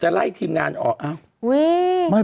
เป็นการกระตุ้นการไหลเวียนของเลือด